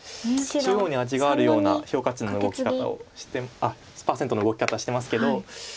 中央に味があるような評価値の動き方をパーセントの動き方してますけど。